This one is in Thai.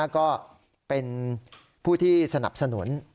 ก็เป็นผู้ที่สนับสนุน